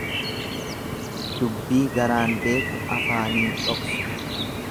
Dubbii garaan beeku afaaniin dhoksu.